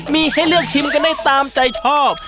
มีให้เลือกชิมกันได้ตามใจชอบ